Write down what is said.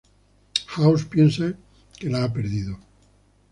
House piensa que la ha perdido.